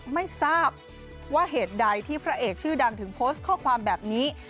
ไม่ทราบว่าเหตุใดที่พระเอกชื่อดังถึงโพสต์ข้อความแบบนี้